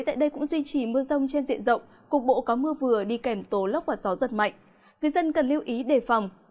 tại đây cũng duy trì mưa rào vào rộng